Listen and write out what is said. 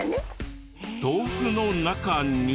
豆腐の中に。